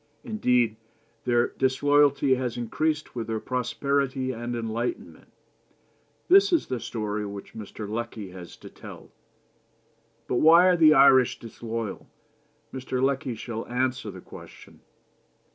Indeed, their disloyalty has increased with their prosperity and enlightenment. This is the story which Mr. Lecky has to tell. But why are the Irish disloyal? Mr. Lecky shall answer the question.